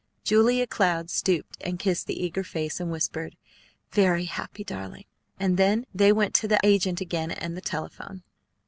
Julia Cloud stooped, and kissed the eager face, and whispered, "Very happy, darling!" And then they went to the agent again and the telephone.